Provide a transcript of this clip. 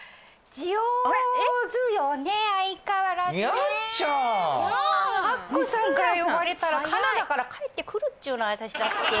もうアッコさんから呼ばれたらカナダから帰ってくるっちゅーの私だって。